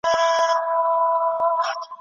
د خرقې بوی یې لګیږي په چشتیانو